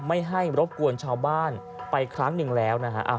ไม่ให้รบกวนชาวบ้านไปครั้งหนึ่งแล้วนะฮะ